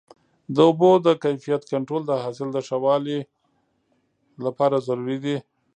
د اوبو د کیفیت کنټرول د حاصل د ښه والي لپاره ضروري دی.